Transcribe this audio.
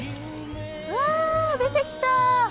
うわ出て来た！